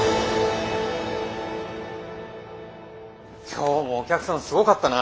今日もお客さんすごかったな！